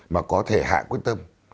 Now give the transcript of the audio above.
mà có thể hạ quyết tâm